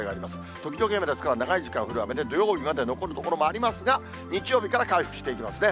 時々雨ですが、長い時間降る雨で、土曜日まで残る所もありますが、日曜日から回復していきますね。